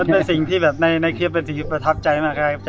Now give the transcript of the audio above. เป็นสิ่งที่แบบในคลิปเป็นสิ่งประทับใจมาก